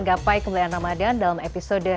gapai kemuliaan ramadhan dalam episode